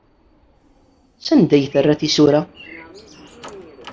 Sanda ay terra tisura?